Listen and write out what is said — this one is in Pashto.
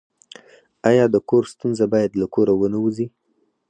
آیا د کور ستونزه باید له کوره ونه وځي؟